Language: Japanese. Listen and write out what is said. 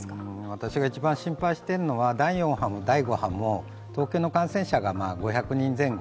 私が一番心配しているのは、第４波も第５波も東京の感染者が５００人前後。